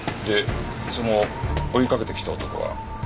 でその追いかけてきた男は？